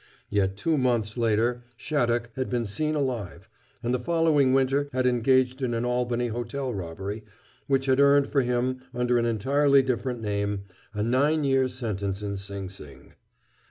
Yet two months later Shattuck had been seen alive, and the following winter had engaged in an Albany hotel robbery which had earned for him, under an entirely different name, a nine year sentence in Sing Sing.